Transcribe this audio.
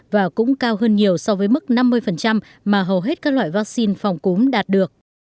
và cũng cao hơn nhiều so với mức năm mươi mà hầu hết các loại vaccine phòng cúm đạt được